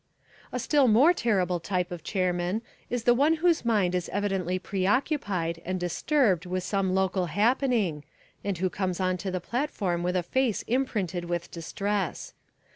A still more terrible type of chairman is one whose mind is evidently preoccupied and disturbed with some local happening and who comes on to the platform with a face imprinted with distress.